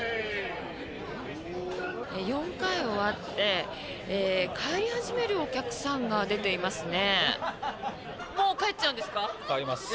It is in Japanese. ４回終わって帰り始めるお客さんが出ていますね。